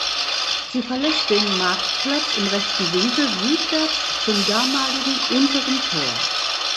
Sie verlässt den "Marktplatz" im rechten Winkel südwärts zum damaligen "Unteren Tor".